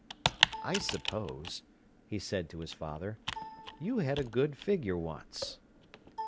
"I suppose," he said to his father, "you had a good figure once."